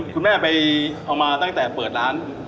คุณแม่ไปเอามาตั้งแต่เปิดร้าน